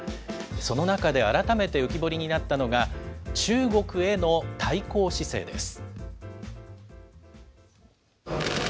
その中で改めて浮き彫りになったのが、中国への対抗姿勢です。